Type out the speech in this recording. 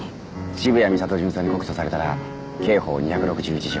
渋谷美里巡査に告訴されたら刑法２６１条